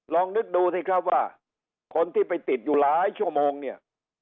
ลองนึกดูสิครับว่าคนที่ไปติดอยู่หลายชั่วโมงเนี่ย